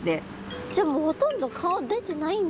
じゃあもうほとんど顔出てないんだ。